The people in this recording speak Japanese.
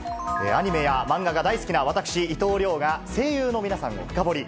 アニメや漫画が大好きな私、伊藤遼が、声優の皆さんを深掘り。